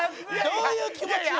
どういう気持ちなん。